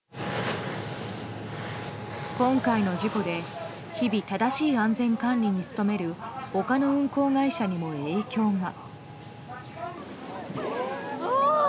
今回の事故で日々、正しい安全管理に努める他の運航会社にも影響が。